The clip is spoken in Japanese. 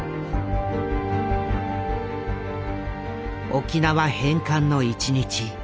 沖縄返還の１日。